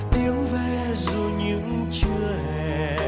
tiếng ve dù những trưa hè